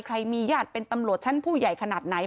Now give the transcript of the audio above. ใครมีญาติเป็นตำรวจชั้นผู้ใหญ่ขนาดไหน